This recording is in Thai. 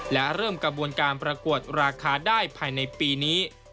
และเริ่มกระบวนการประกวดราคาได้ภายในปีนี้